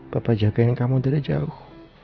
bapak jagain kamu tidak jauh